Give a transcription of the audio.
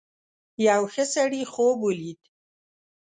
یو ښه سړي خوب ولید.